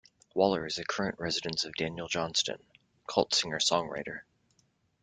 Waller is the current residence of Daniel Johnston, cult singer-songwriter.